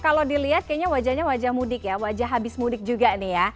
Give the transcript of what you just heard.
kalau dilihat kayaknya wajahnya wajah mudik ya wajah habis mudik juga nih ya